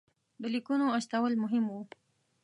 د لیکونو استول مهم وو.